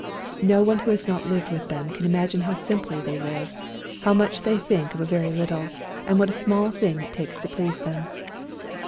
No one who has not lived with them can imagine how simply they live, how much they think of a very little, and what a small thing it takes to please them.